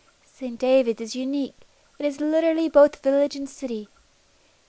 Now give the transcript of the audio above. St. Davids is unique: it is literally both village and city.